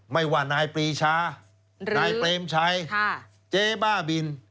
ไม่ว่านายปรีชานายเปรมชัยเจ๊บ้าบิน